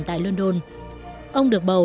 tại london ông được bầu